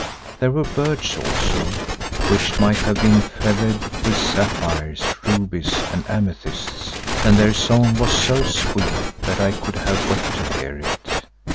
There were birds also which might have been feathered with sapphires, rubies and amethysts, and their song was so sweet that I could have wept to hear it.